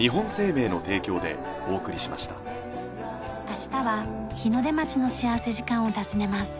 明日は日の出町の幸福時間を訪ねます。